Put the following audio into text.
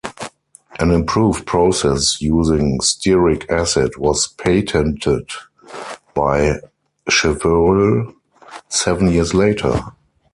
An improved process using stearic acid was patented by Chevreul seven years later.